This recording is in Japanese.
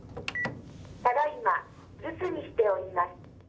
ただいま留守にしております。